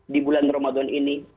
di bulan ramadan ini